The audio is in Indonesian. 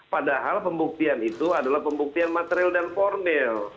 padahal pembuktian itu adalah pembuktian material dan formil